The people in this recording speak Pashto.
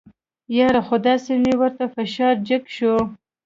یاره خو داسې مې ورته فشار جګ شو.